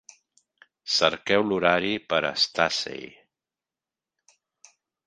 Cerqueu l'horari per a Stacey.